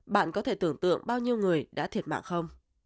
bạn có thể tưởng tượng bao nhiêu người đã thiệt mạng không